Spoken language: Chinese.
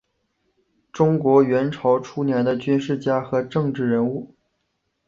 中国元朝初年的军事家和政治人物。